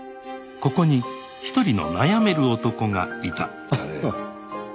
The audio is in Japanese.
ここに１人の悩める男がいた。